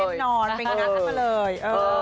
เต็มนอนเป็นกันมาเลย